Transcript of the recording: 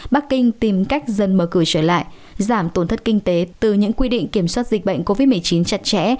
bắc kinh tìm cách dần mở cửa trở lại giảm tổn thất kinh tế từ những quy định kiểm soát dịch bệnh covid một mươi chín chặt chẽ